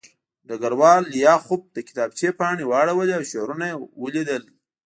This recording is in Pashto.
ډګروال لیاخوف د کتابچې پاڼې واړولې او شعرونه یې ولیدل